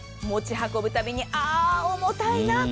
持ち運ぶたびに、ああ重たいな。